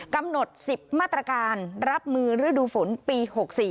กำหนด๑๐มาตรการรับมือฤดูฝนปี๖๔